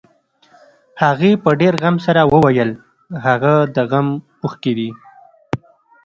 هغې په ډېر غم سره وويل هغه د غم اوښکې دي.